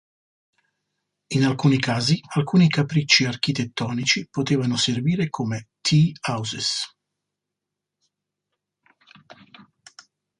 In alcuni casi alcuni capricci architettonici potevano servire come "tea houses".